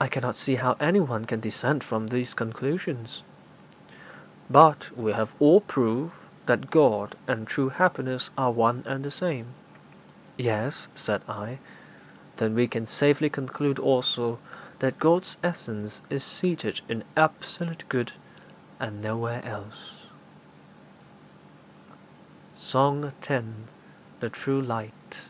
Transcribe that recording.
'I cannot see how anyone can dissent from these conclusions.' 'But we have also proved that God and true happiness are one and the same.' 'Yes,' said I. 'Then we can safely conclude, also, that God's essence is seated in absolute good, and nowhere else.' SONG X. THE TRUE LIGHT.